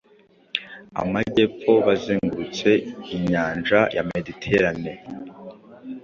Amajyepfo bazengurute inyanja ya Mediterane